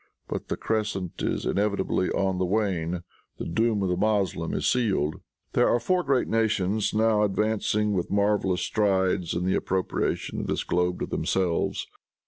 But the crescent is inevitably on the wane. The doom of the Moslem is sealed. There are four great nations now advancing with marvelous strides in the appropriation of this globe to themselves.